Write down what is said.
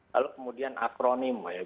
lalu kemudian akronim ya